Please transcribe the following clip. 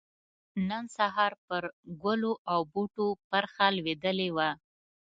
نن سحار پر ګلو او بوټو پرخه لوېدلې وه